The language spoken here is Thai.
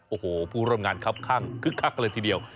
โอ้โหผู้ร่วมงานครับข้างคึกคักเลยทีเดียว